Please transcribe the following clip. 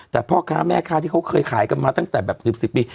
แต่พ่อค้าแม่ค้าที่เขาเคยขายกันมาตั้งแต่แบบ๑๐ปี